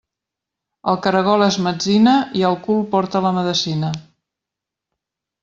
El caragol és metzina i al cul porta la medecina.